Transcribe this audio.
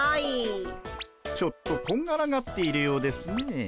ちょっとこんがらがっているようですね。